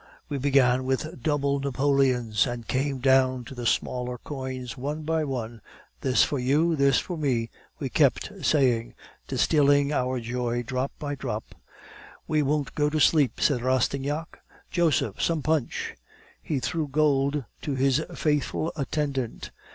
We began with double napoleons, and came down to the smaller coins, one by one. 'This for you, this for me,' we kept saying, distilling our joy drop by drop. "'We won't go to sleep,' cried Rastignac. 'Joseph! some punch!' "He threw gold to his faithful attendant.